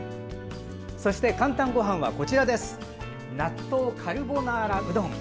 そして「かんたんごはん」は納豆カルボナーラうどん。